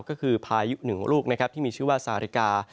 ก็คือพายุหนึ่งลูกนะครับที่มีชื่อว่าซาริกา